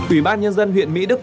ủy ban nhân dân huyện mỹ đức